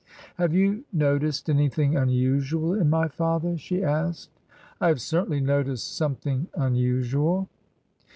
" Have you noticed anything unusual in my father ?" she asked. " I have certainly noticed something unusual."